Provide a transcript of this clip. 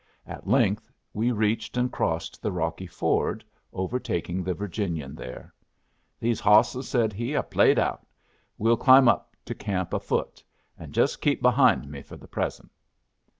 At length we reached and crossed the rocky ford, overtaking the Virginian there. "These hawsses," said he, "are played out. We'll climb up to camp afoot. And just keep behind me for the present."